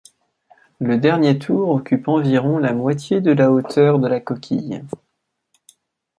Le dernier tour occupe environ la moitié de la hauteur de la coquille.